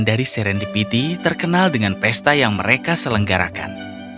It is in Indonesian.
dan dari serendipity terkenal dengan pesta yang mereka selenggarakan